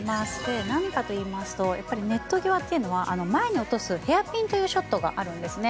何かといいますとネット際というのは前に落とすヘアピンというショットがあるんですね。